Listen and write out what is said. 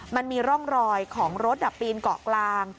มันมีร่องรอยของรถปีนเกาะกลาง